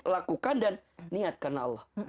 lakukan dan niat karena allah